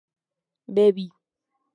bebí